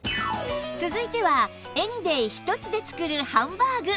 続いてはエニデイ１つで作るハンバーグ